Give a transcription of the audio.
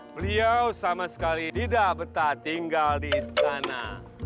beliau sama sekali tidak betah tinggal di istana